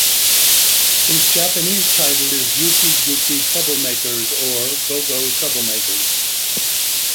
Its Japanese title is "Yuke-Yuke Trouble Makers", or "Go-Go Trouble Makers".